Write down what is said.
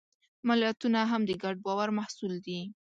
ملتونه هم د ګډ باور محصول دي.